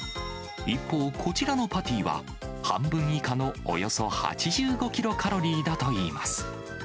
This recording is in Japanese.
一方、こちらのパティは半分以下のおよそ８５キロカロリーだといいます。